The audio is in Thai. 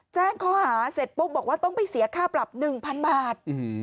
แจ้งข้อหาเสร็จปุ๊บบอกว่าต้องไปเสียค่าปรับ๑๐๐๐บาท